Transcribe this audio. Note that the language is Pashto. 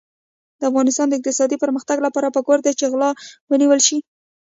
د افغانستان د اقتصادي پرمختګ لپاره پکار ده چې غلا ونیول شي.